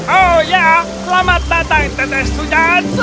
oh ya selamat datang tetes hujan selamat datang semua